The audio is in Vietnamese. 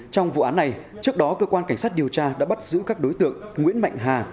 trong vụ án này trước đó cơ quan cảnh sát điều tra đã bắt giữ các đối tượng nguyễn mạnh hà